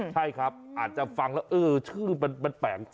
ใช่ครับอาจจะฟังแล้วเออชื่อมันแปลก